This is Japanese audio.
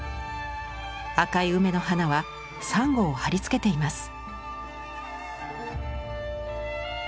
赤い梅の花はさんごを貼り付けています。